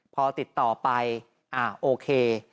พอติดต่อไปอ่าโอเค